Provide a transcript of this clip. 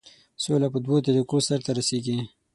سوله په دوو طریقو سرته رسیږي.